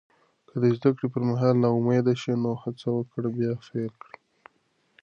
که د زده کړې پر مهال ناامید شې، نو هڅه وکړه بیا پیل کړې.